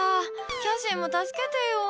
キャシーも助けてよ。